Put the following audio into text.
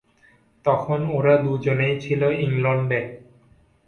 তখন ওরা দুজনেই ছিল ইংলণ্ডে।